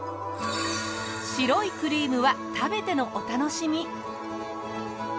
白いクリームは食べてのお楽しみ！